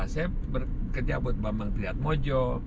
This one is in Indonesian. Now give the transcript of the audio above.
saya bekerja buat bambang triad mojo